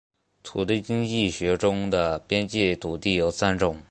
土地经济学中的边际土地有三种